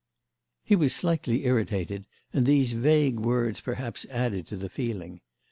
He was slightly irritated, and these vague words perhaps added to the feeling.